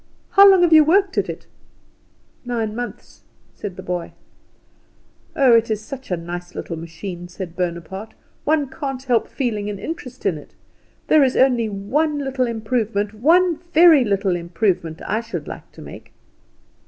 How long have you worked at it?" "Nine months," said the boy. "Oh, it is such a nice little machine," said Bonaparte, "one can't help feeling an interest in it. There is only one little improvement, one very little improvement, I should like to make."